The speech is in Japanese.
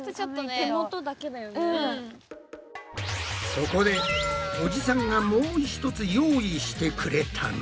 そこでおじさんがもう一つ用意してくれたのは。